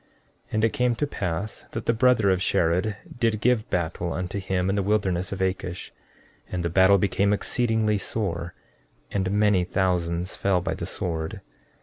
14:4 And it came to pass that the brother of Shared did give battle unto him in the wilderness of Akish; and the battle became exceedingly sore, and many thousands fell by the sword.